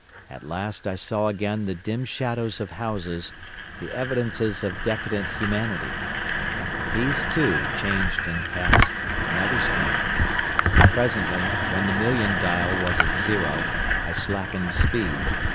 At last I saw again the dim shadows of houses, the evidences of decadent humanity. These, too, changed and passed, and others came. Presently, when the million dial was at zero, I slackened speed.